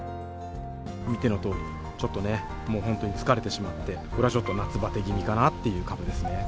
見てのとおり、ちょっとね、もう本当に疲れてしまって、これはちょっと夏バテ気味かなという株ですね。